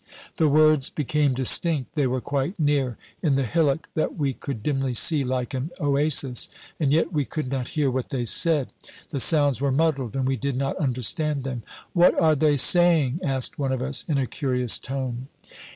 The words became distinct. They were quite near in the hillock that we could dimly see like an oasis: and yet we could not hear what they said. The sounds were muddled, and we did not understand them. "What are they saying?" asked one of us in a curious tone.